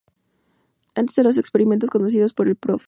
Antes de los experimentos conducidos por el Prof.